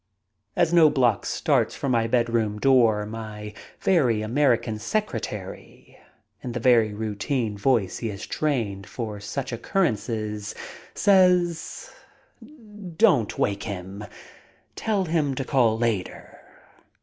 As Knobloch starts for my bedroom door my very Amer ican secretary, in the very routine voice he has trained for such occurrences, says: "Don't wake him. Tell him to call later.